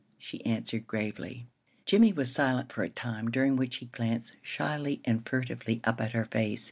she answered, gravely. Jimmie was silent for a time, during which he glanced shyly and furtively up at her face.